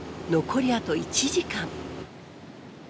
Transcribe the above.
残りあと１時間。